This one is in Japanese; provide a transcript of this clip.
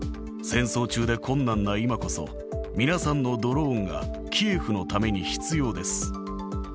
戦争中で困難な今こそ、皆さんのドローンがキエフのために必要です。